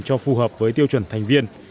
cho phù hợp với tiêu chuẩn thành viên